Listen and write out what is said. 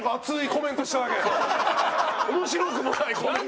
面白くもないコメント。